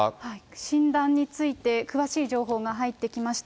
診断について、詳しい情報が入ってきました。